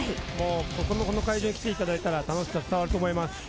この会場に来ていただいたら、楽しさが伝わると思います。